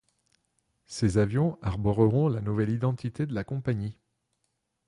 Ces avions arboreront la nouvelle identité de la compagnie.